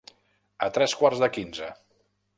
A tres quarts de quinze.